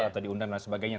atau di undang dan sebagainya